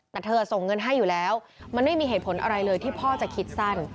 แต่เธอส่งเงินให้อยู่แล้วมันไม่มีเหตุผลอะไรเลยที่พ่อจะคิดสั้น